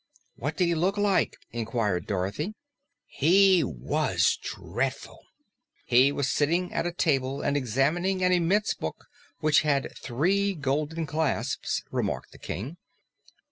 "What did he look like?" inquired Dorothy. "He was dreadful!" "He was sitting at a table and examining an immense Book which had three golden clasps," remarked the King.